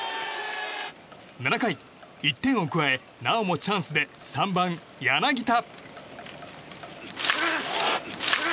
７回、１点を加えなおもチャンスで３番、柳田。